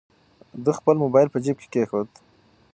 ده خپل موبایل په جیب کې کېښود.